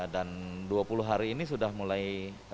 dan dua puluh hari ini sudah mulai